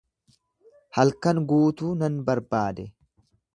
Halkan guutuu nan barbaade.